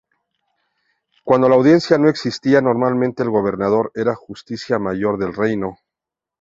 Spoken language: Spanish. Cuando la Audiencia no existía, normalmente el gobernador era "justicia mayor" del reino.